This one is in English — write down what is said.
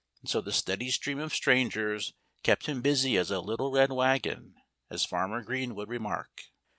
And so the steady stream of strangers kept him busy as a little red wagon, as Farmer Green would remark.